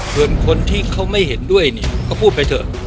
ส่วนคนที่เขาไม่เห็นด้วยเนี่ยก็พูดไปเถอะ